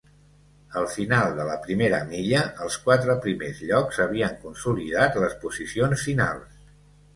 Al final de la primera milla, els quatre primers llocs havien consolidat les posicions finals.